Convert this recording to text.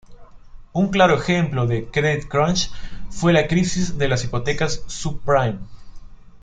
Un claro ejemplo de "credit crunch" fue la crisis de las hipotecas subprime.